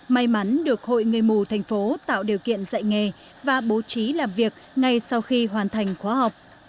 may mắn được hội người mù thành phố tạo điều kiện dạy nghề và bố trí làm việc ngay sau khi hoàn thành khóa học